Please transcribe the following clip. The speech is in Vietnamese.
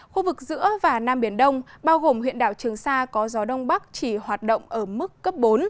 khu vực giữa và nam biển đông bao gồm huyện đảo trường sa có gió đông bắc chỉ hoạt động ở mức cấp bốn